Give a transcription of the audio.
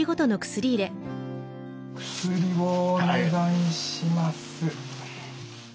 薬をお願いします。